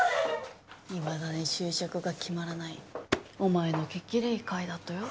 いまだに就職が決まらないお前の激励会だとよ。